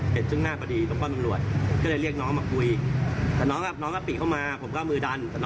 เห็นพวกตรงหน้ากันพอดีต้องการอำนวต